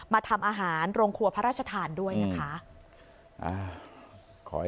ทำอาหารโรงครัวพระราชทานด้วยนะคะ